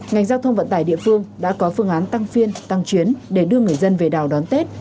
ngành giao thông vận tải địa phương đã có phương án tăng phiên tăng chuyến để đưa người dân về đảo đón tết